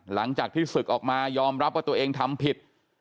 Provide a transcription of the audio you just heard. หลังจากที่ศึกออกมายอมรับว่าตัวเองทำผิด